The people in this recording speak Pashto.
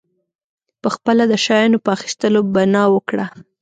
پخپله د شیانو په اخیستلو بنا وکړه.